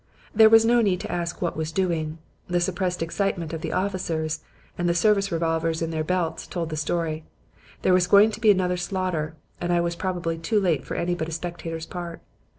There was no need to ask what was doing. The suppressed excitement of the officers and the service revolvers in their belts told the story. There was going to be another slaughter; and I was probably too late for any but a spectator's part.